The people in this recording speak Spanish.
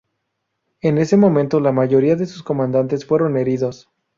En ese momento, la mayoría de sus comandantes fueron heridos.